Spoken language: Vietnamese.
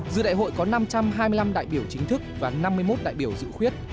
giữa đại hội có năm trăm hai mươi năm đại biểu chính thức và năm mươi một đại biểu dự khuyết